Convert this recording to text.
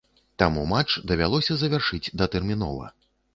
Таму матч давялося завяршыць датэрмінова.